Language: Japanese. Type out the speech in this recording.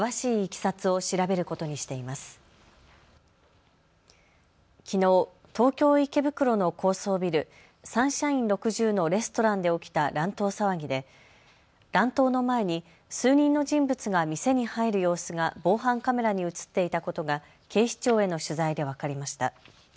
きのう、東京池袋の高層ビル、サンシャイン６０のレストランで起きた乱闘騒ぎで乱闘の前に数人の人物が店に入る様子が防犯カメラに写っていたことが警視庁への取材で分かりました。